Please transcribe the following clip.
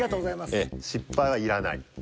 失敗はいらない。